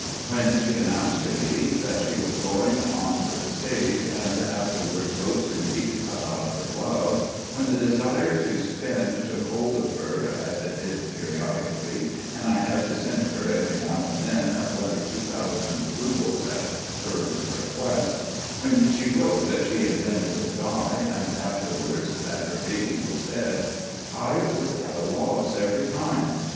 When she announced to me that she was going on to the stage and afterwards wrote to me about her love; when the desire to spend took hold of her, as it did periodically, and I had to send her every now and then one or two thousand roubles at her request; when she wrote that she intended to die, and afterwards that her baby was dead, I was at a loss every time.